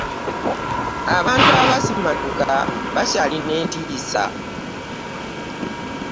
Abantu abasimatuka bakyalina entiisa.